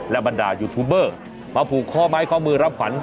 บรรดายูทูบเบอร์มาผูกข้อไม้ข้อมือรับขวัญ